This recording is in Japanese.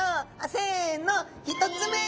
せの１つ目。